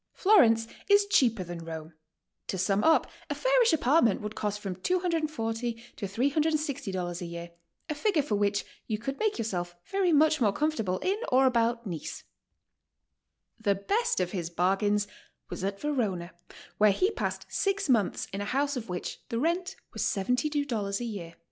Florence is cheaper than Rome. "To sum up, a fairish apartment would cost from $240 to $360 a year, a figure for which you could make yourself very much more comfortable in or about Nice." The best of his bargains was at Verona, where he passed six months in a house of which the rent was $72 a year.